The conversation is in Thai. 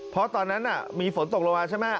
เพราะตอนนั้นมีฝนตกลงมาใช่ไหม